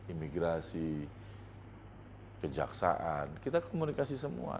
imigrasi kejaksaan kita komunikasi semua